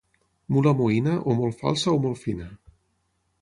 Mula moïna, o molt falsa o molt fina.